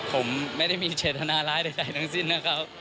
ผมไม่ได้มีเจตนาร้ายใดทั้งสิ้นนะครับ